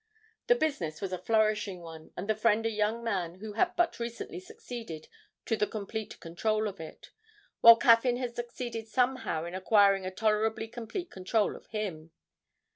The business was a flourishing one, and the friend a young man who had but recently succeeded to the complete control of it, while Caffyn had succeeded somehow in acquiring a tolerably complete control of him.